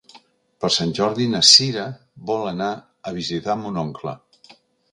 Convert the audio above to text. Per Sant Jordi na Cira vol anar a visitar mon oncle.